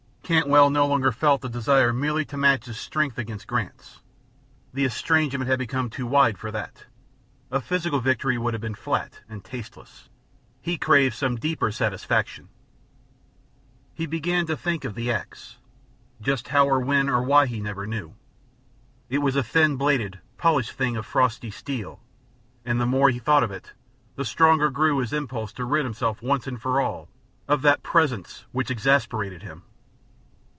Cantwell no longer felt the desire merely to match his strength against Grant's; the estrangement had become too wide for that; a physical victory would have been flat and tasteless; he craved some deeper satisfaction. He began to think of the ax just how or when or why he never knew. It was a thin bladed, polished thing of frosty steel, and the more he thought of it the stronger grew his impulse to rid himself once for all of that presence which exasperated him.